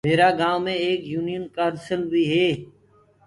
ميرآ گائونٚ مي ايڪ يونين ڪائونسل بي هي۔